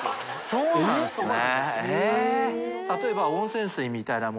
そうなんですはい。